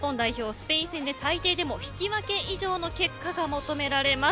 スペイン戦で最低でも引き分け以上の結果が求められます。